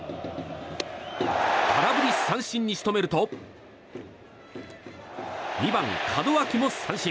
空振り三振に仕留めると２番、門脇も三振。